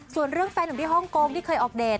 ส่วนเรื่องแฟนหนุ่มที่ฮ่องกงที่เคยออกเดท